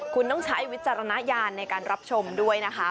คุณต้องใช้วิจารณญาณในการรับชมด้วยนะคะ